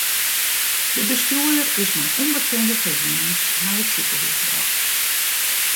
De bestjoerder is mei ûnbekende ferwûnings nei it sikehús brocht.